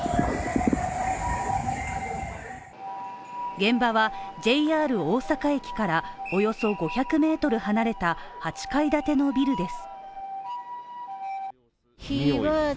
現場はＪＲ大阪駅からおよそ５００ｍ離れた８階建てのビルです。